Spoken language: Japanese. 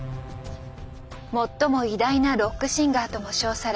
最も偉大なロックシンガーとも称され